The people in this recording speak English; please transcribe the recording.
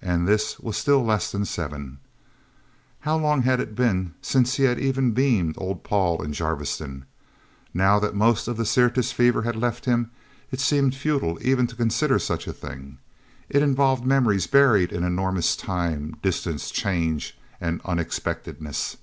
And this was still less than seven... How long had it been since he had even beamed old Paul, in Jarviston...? Now that most of the Syrtis Fever had left him, it seemed futile even to consider such a thing. It involved memories buried in enormous time, distance, change, and unexpectedness.